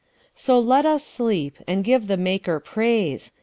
So let us sleep, and give the Maker praise.